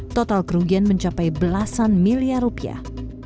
total kerugian mencapai belasan miliar rupiah